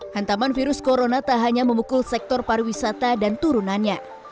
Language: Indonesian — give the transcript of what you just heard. hantaman virus corona tak hanya memukul sektor pariwisata dan turunannya